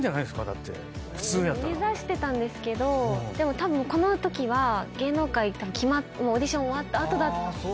目指してたんですけどでもたぶんこのときは芸能界もうオーディション終わった後だったと思います。